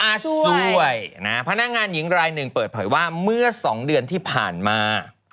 ช่วยนะฮะพนักงานหญิงรายหนึ่งเปิดเผยว่าเมื่อสองเดือนที่ผ่านมา